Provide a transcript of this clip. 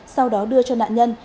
sau đó đưa cho nạn nhân